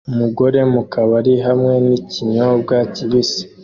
Umugabo mukabari hamwe n'ikinyobwa kibisi